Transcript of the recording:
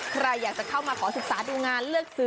ใครอยากจะเข้ามาขอศึกษาดูงานเลือกซื้อ